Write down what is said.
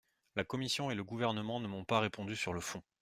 La commission et le Gouvernement ne m’ont pas répondu sur le fond.